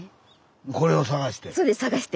これを探して？